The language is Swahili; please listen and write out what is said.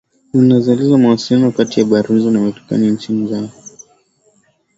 zinazoeleza mawasiliano kati ya barozi za marekani na nchi zao